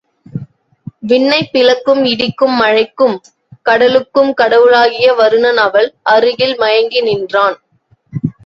விண்ணைப் பிளக்கும் இடிக்கும் மழைக்கும் கடலுக்கும் கடவுளாகிய வருணன் அவள் அழகில் மயங்கி நின்றான்.